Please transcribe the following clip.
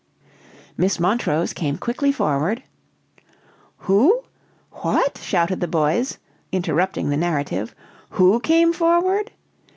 "Miss Montrose came quickly forward " "Who? What?" shouted the boys, interrupting the narrative; "who came forward?"